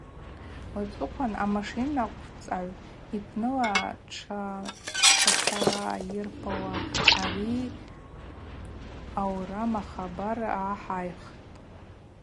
Уацӏыхъван, амашинанкъвцагӏв йпныла тшацайырпауа, ари йауырам ахабар гӏахӏайхӏвтӏ.